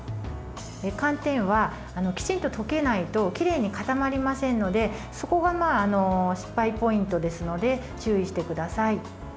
寒天はきちんと溶けないときれいに固まりませんのでそこが失敗ポイントですので注意してください。